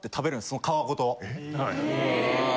その皮ごと。